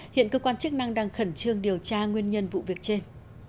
hiện cơ quan chức năng đang khẩn trương điều tra nguyên nhân vụ việc trên